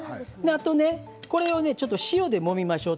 これを塩でもみましょう。